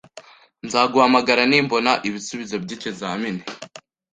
Nzaguhamagara nimbona ibisubizo by'ikizamini